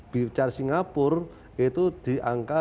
bicara singapura itu di angka delapan belas